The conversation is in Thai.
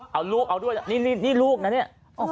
เอาลูกเอาด้วยนี่ลูกนะเนี่ย